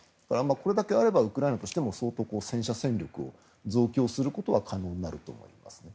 これだけあればウクライナとしても戦車戦力を増強することは可能になると思いますね。